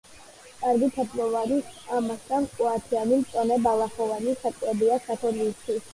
კარგი თაფლოვანი, ამასთან ყუათიანი მწვანე ბალახოვანი საკვებია საქონლისათვის.